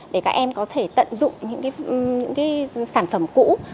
để các em có thể tận dụng những sản phẩm cũ